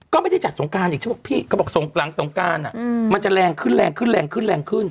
ก็ไม่ได้จัดสงการอีกใช่ไหมพี่เขาบอกหลังสงการมันจะแรงขึ้นแรงขึ้นแรงขึ้นแรงขึ้น